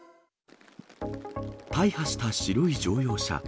大破した白い乗用車。